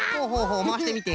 まわしてみて。